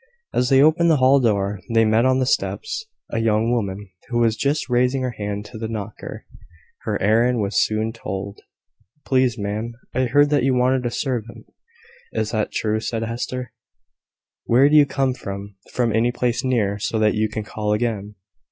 As they opened the hall door they met on the steps a young woman, who was just raising her hand to the knocker. Her errand was soon told. "Please, ma'am, I heard that you wanted a servant." "That is true," said Hester. "Where do you come from? from any place near, so that you can call again?"